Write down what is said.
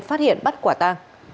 phát hiện bắt quả ta